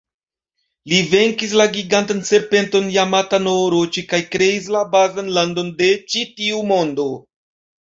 Li venkis la gigantan serpenton Jamata-no-Oroĉi kaj kreis la bazan landon de ĉi-tiu mondo.